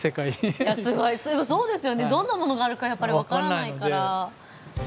そうですよねどんなものがあるかやっぱり分からないから。